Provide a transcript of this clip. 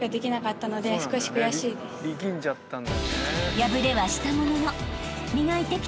［敗れはしたものの］